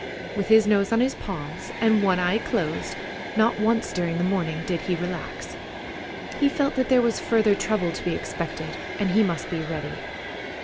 With his nose on his paws and one eye closed, not once during the morning did he relax. He felt that there was further trouble to be expected, and he must be ready.